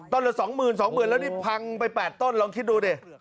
ตั้งแต่๒หมื่น๒หมื่นแล้วนี่พังไป๘ต้นลองคิดดูดิ